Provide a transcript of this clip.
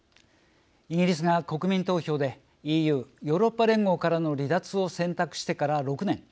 イギリスが国民投票でＥＵ＝ヨーロッパ連合からの離脱を選択してから６年。